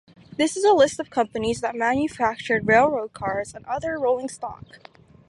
This is a list of companies that manufactured railroad cars and other rolling stock.